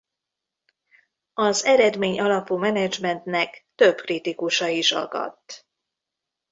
Az eredmény alapú menedzsmentnek több kritikusa is akadt.